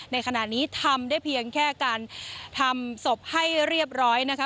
ในขณะนี้ทำได้เพียงแค่การทำศพให้เรียบร้อยนะคะ